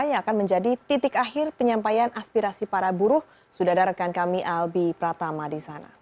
yang akan menjadi titik akhir penyampaian aspirasi para buruh sudah ada rekan kami albi pratama di sana